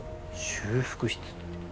修復室。